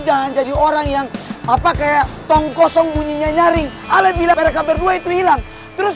jangan jadi orang yang apa kayak tongkosong bunyinya nyaring ala bilang mereka berdua itu hilang terus